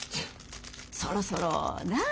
そろそろなあ？